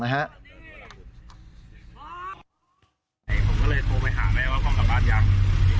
สุดท้ายพ่อทำงานที่จังหวัดกาญจนบุรี